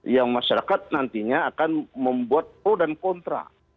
yang masyarakat nantinya akan membuat pro dan kontra